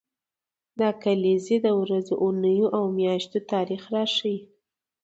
دا کلیزې د ورځو، اونیو او میاشتو تاریخ راښيي.